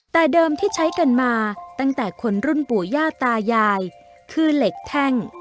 แต่เดิมที่ใช้กันมาตั้งแต่คนรุ่นปู่ย่าตายายคือเหล็กแท่ง